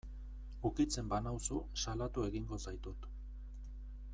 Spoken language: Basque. Ukitzen banauzu salatu egingo zaitut.